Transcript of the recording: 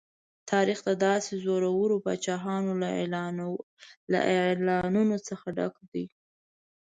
تاریخ د داسې زورورو پاچاهانو له اعلانونو څخه ډک دی.